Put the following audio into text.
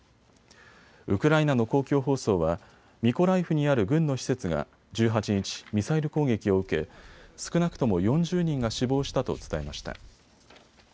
ウクライナの公共放送はミコライフにある軍の施設が１８日、ミサイル攻撃を受け少なくとも４０人が死亡したと伝えました。